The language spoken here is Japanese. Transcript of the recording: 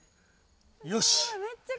よし。